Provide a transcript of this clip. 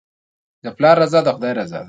د پلار رضا د خدای رضا ده.